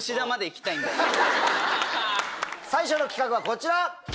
最初の企画はこちら！